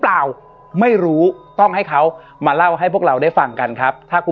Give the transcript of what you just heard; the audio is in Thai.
เปล่าไม่รู้ต้องให้เขามาเล่าให้พวกเราได้ฟังกันครับถ้าคุณ